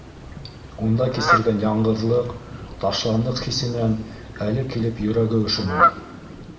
Унда кисергән яңғыҙлыҡ, ташландыҡ хисенән әле килеп йөрәге өшөнө.